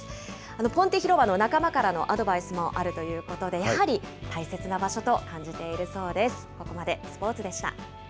ポンテ広場の仲間からのアドバイスもあるということで、やはり、大切な場所と感じているそうです。